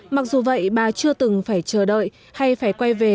mặc dù vậy bà chưa từng phải chờ đợi hay phải quay về